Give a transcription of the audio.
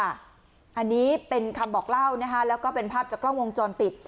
อันนี้เป็นคำบอกเล่านะคะแล้วก็เป็นภาพจากกล้องวงจรปิด